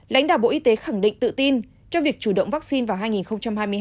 lãnh đạo bộ y tế khẳng định tự tin cho việc chủ động vaccine vào hai nghìn hai mươi hai